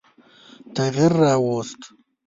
تغییر را ووست.